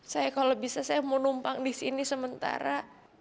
saya kalau bisa saya mau numpang disini sementara